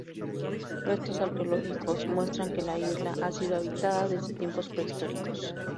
Restos arqueológicos muestran que la isla ha sido habitada desde tiempos prehistóricos.